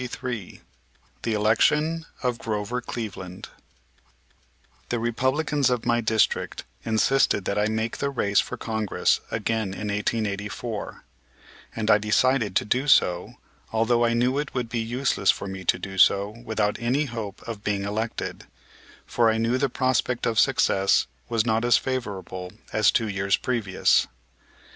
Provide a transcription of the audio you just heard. CHAPTER XXIII THE ELECTION OF GROVER CLEVELAND The Republicans of my district insisted that I make the race for Congress again in 1884, and I decided to do so, although I knew it would be useless for me to do so with any hope of being elected, for I knew the prospect of success was not as favorable as two years previous.